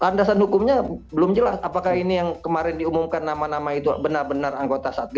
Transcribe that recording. landasan hukumnya belum jelas apakah ini yang kemarin diumumkan nama nama itu benar benar anggota satgas